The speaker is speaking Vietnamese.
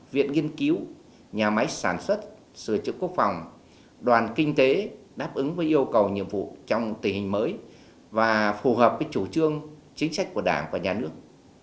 viện nghiên cứu nhà máy sản xuất sửa chữa quốc phòng đoàn kinh tế đáp ứng với yêu cầu nhiệm vụ trong tình hình mới và phù hợp với chủ trương chính sách của đảng và nhà nước